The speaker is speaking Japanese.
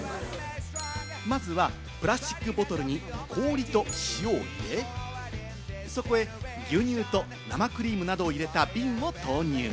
まずはプラスチックボトルに氷と塩を入れ、そこへ牛乳と生クリームなどを入れた瓶を投入。